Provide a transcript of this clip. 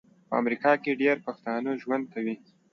په امریکا کې ډیر پښتانه ژوند کوي